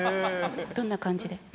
どんな感じで？